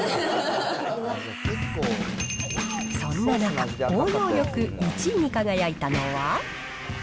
そんな中、応用力１位に輝いたのは。